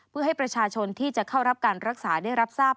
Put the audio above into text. เพื่อให้ประชาชนที่จะเข้ารับการรักษาได้รับทราบ